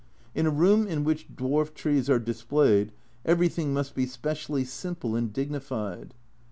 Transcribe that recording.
In a room in which dwarf trees are displayed everything must be specially simple and dignified.